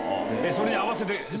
それに合わせて。